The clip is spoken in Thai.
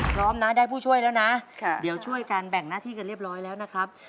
พร้อมนะได้ผู้ช่วยแล้วนะเดี๋ยวช่วยกันแบ่งหน้าที่กันเรียบร้อยแล้วนะครับ